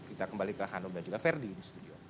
kita kembali ke hanum dan juga ferdi di studio